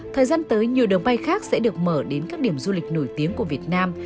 thời gian tới nhiều đường bay khác sẽ được mở đến các điểm du lịch nổi tiếng của việt nam